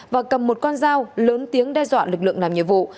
và cầm một con dao lớn tiếng đe dọa lực lượng làm nhiệm vụ